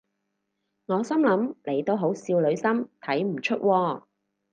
我心諗你都好少女心睇唔出喎